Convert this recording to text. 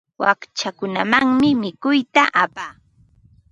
Wakchakunamanmi mikuyta apaa.